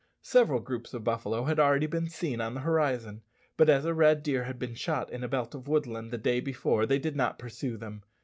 Several groups of buffalo had already been seen on the horizon, but as a red deer had been shot in a belt of woodland the day before they did not pursue them.